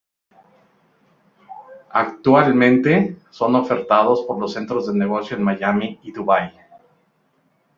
Actualmente, son ofertados por los centros de negocios en Miami y Dubái.